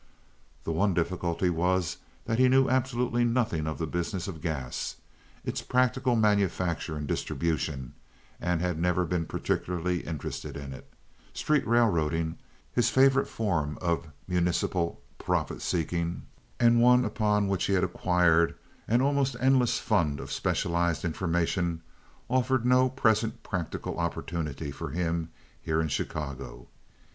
The one difficulty was that he knew absolutely nothing of the business of gas—its practical manufacture and distribution—and had never been particularly interested init. Street railroading, his favorite form of municipal profit seeking, and one upon which he had acquired an almost endless fund of specialized information, offered no present practical opportunity for him here in Chicago.